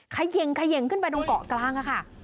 เขยิงขึ้นไปตรงเกาะกลางค่ะ